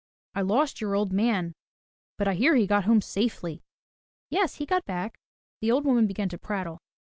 I lost your old man, but I hear he got home safely." "Yes, he got back," the old woman began to prattle.